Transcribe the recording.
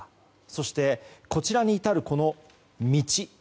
そして、こちらに至る道。